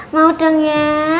mau dong ya